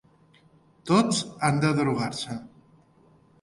Tots han de drogar-se.